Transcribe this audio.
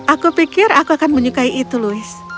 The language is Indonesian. aku pikir aku akan menyukai itu louis